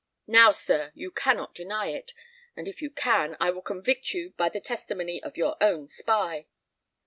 Now, sir, you cannot deny it, and if you can, I will convict you by the testimony of your own spy.